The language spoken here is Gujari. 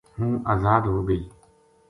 ہوں ازاد ہو گئی